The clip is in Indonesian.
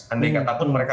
andai katapun mereka